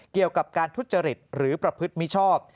เกี่ยวกับการทุจริตหรือประพฤติมิชอบ